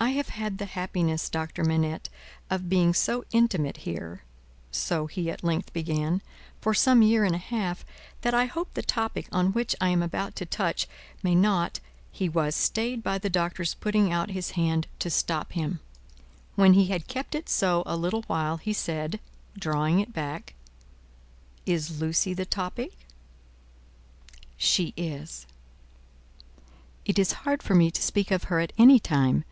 "I have had the happiness, Doctor Manette, of being so intimate here," so he at length began, "for some year and a half, that I hope the topic on which I am about to touch may not " He was stayed by the Doctor's putting out his hand to stop him. When he had kept it so a little while, he said, drawing it back: "Is Lucie the topic?" "She is." "It is hard for me to speak of her at any time.